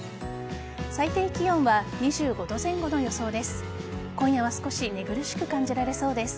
最低気温は２５度前後の予想です。